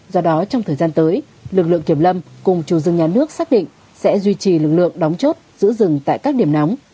do đó trong thời gian tới lực lượng kiểm lâm cùng chủ rừng nhà nước xác định sẽ duy trì lực lượng đóng chốt giữ rừng tại các điểm nóng